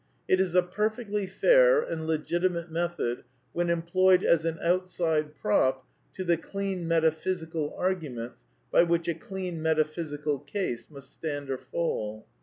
It is a perfectly fair and legitimate method when employed as an outside prop to the clean metaphysical arguments by which a clean metaphysical case must stand or fall.